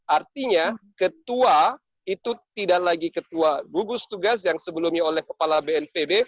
artinya ketua itu tidak lagi ketua gugus tugas yang sebelumnya oleh kepala bnpb